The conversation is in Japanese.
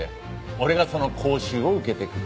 俺がその講習を受けてくる。